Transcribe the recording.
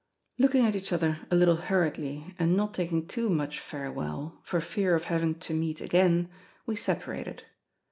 Looking at each, other a little hurriedly, and not taking too much farewell, for fear of having to meet again, we separated.